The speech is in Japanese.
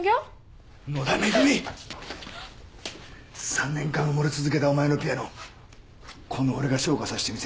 ３年間埋もれ続けたお前のピアノこの俺が昇華させてみせる。